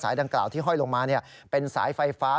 สายวงดังกล่าวที่กำลังลงมา